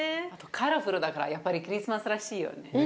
あとカラフルだからやっぱりクリスマスらしいよね。